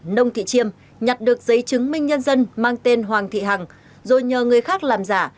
nông thị chiêm nhặt được giấy chứng minh nhân dân mang tên hoàng thị hằng rồi nhờ người khác làm giả